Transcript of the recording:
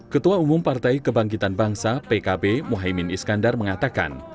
ketua umum partai kebangkitan bangsa pkb muhaymin iskandar mengatakan